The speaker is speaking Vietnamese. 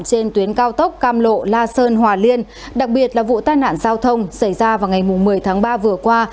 trên tuyến cao tốc cam lộ la sơn hòa liên đặc biệt là vụ tai nạn giao thông xảy ra vào ngày một mươi tháng ba vừa qua